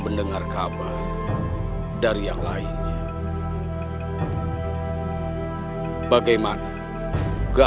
beraninya kau datang